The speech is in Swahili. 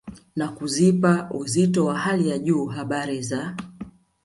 na kuzipa uzito wa hali ya juu habari za